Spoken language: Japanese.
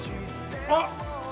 あっ。